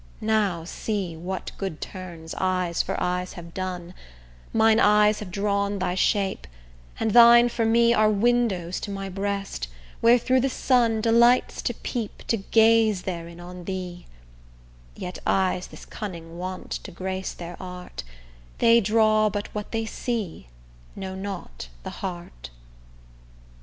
Now see what good turns eyes for eyes have done: Mine eyes have drawn thy shape, and thine for me Are windows to my breast, where through the sun Delights to peep, to gaze therein on thee; Yet eyes this cunning want to grace their art, They draw but what they see, know not the heart.